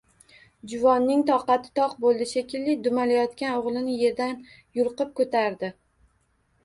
Juvonning toqati toq bo‘ldi shekilli, dumalayotgan o‘g‘lini yerdan yulqib ko‘tardi.